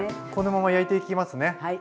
このまま焼いていきますね。